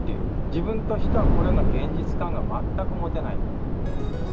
自分としては、これが現実感が全く持てない。